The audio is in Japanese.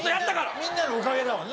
みんなのおかげだもんね